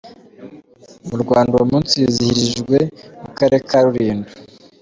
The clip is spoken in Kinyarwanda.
Mu Rwanda uwo munsi wizihirijwe mu karere ka Rulindo.